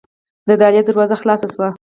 د دهلېز دروازه خلاصه شوه.